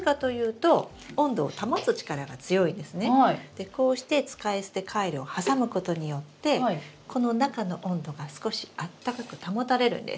でこうして使い捨てカイロを挟むことによってこの中の温度が少しあったかく保たれるんです。